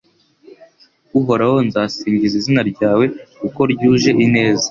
Uhoraho nzasingiza izina ryawe kuko ryuje ineza